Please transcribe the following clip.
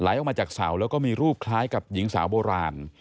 ออกมาจากเสาแล้วก็มีรูปคล้ายกับหญิงสาวโบราณ